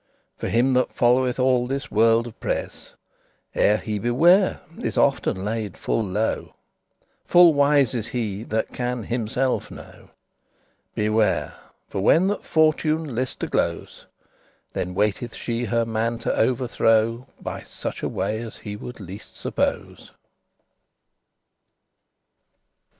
* *for a moment* For him that followeth all this world of pres,* *near <11> Ere he be ware, is often laid full low; Full wise is he that can himselfe know. Beware, for when that Fortune list to glose Then waiteth she her man to overthrow, By such a way as he would least suppose.